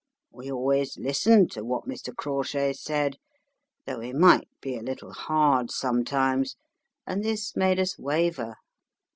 "We always listened to what Mr. Crawshay said, though he might be a little hard sometimes, and this made us waver.